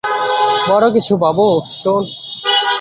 বড় কিছু ভাবো, স্টোন।